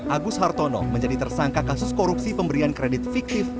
agus hartono menjadi tersangka kasus korupsi pemberian kredit fiktif